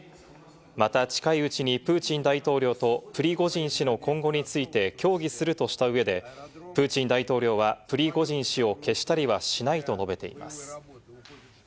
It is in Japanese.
また近いうちにプーチン大統領とプリゴジン氏の今後について協議するとした上でプーチン大統領はプリコジン氏を消したりはしないと述べています。